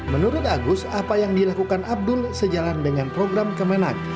menurut agus apa yang dilakukan abdul sejalan dengan program kemenang